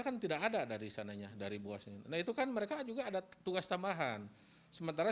kan tidak ada dari sananya dari buah sini nah itu kan mereka juga ada tugas tambahan sementara